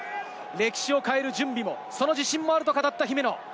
歴史を変える準備もその自信もあると語った姫野。